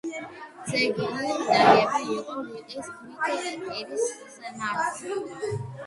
ძეგლი ნაგები იყო რიყის ქვით კირის ხსნარზე.